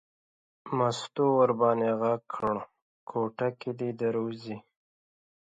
مستو ور باندې غږ کړل کوټه کې دی در وځي.